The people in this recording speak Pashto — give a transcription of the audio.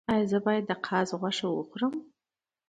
ایا زه باید د قاز غوښه وخورم؟